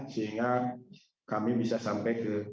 sehingga kami bisa sampai ke